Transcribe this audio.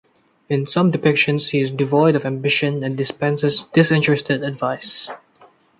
In some depictions, he is devoid of ambition and dispenses disinterested advice.